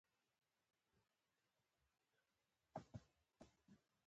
دا چیچنیایي مسلمانان دي.